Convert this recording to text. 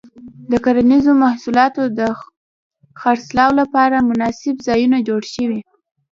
د کرنیزو محصولاتو د خرڅلاو لپاره مناسب ځایونه جوړ شي.